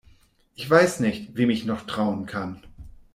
Ich weiß nicht, wem ich noch trauen kann.